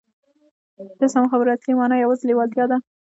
د سمو خبرو اصلي مانا یوازې لېوالتیا ده